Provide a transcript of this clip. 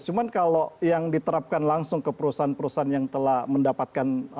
cuma kalau yang diterapkan langsung ke perusahaan perusahaan yang telah mendapatkan